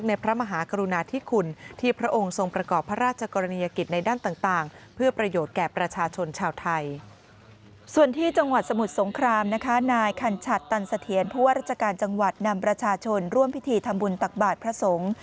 ขันชัดตันเสียงเพราะว่าราชการจังหวัดนำประชาชนร่วมพิธีธรรมบุญตักบาทพระสงฆ์